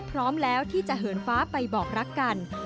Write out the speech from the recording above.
พร้อมแล้วที่จะเหินฟ้าไปบอกรักกัน